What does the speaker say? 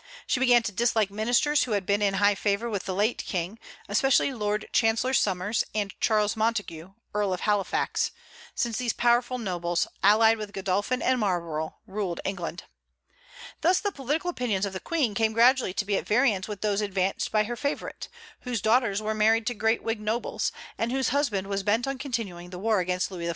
She began to dislike ministers who had been in high favor with the late King, especially Lord Chancellor Somers and Charles Montague, Earl of Halifax, since these powerful nobles, allied with Godolphin and Marlborough, ruled England. Thus the political opinions of the Queen came gradually to be at variance with those advanced by her favorite, whose daughters were married to great Whig nobles, and whose husband was bent on continuing the war against Louis XIV.